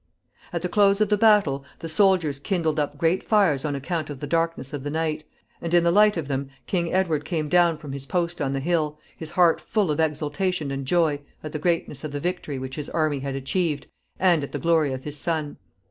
At the close of the battle the soldiers kindled up great fires on account of the darkness of the night, and in the light of them King Edward came down from his post on the hill, his heart full of exultation and joy at the greatness of the victory which his army had achieved, and at the glory of his son.